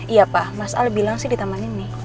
iya pak mas al bilang sih di taman ini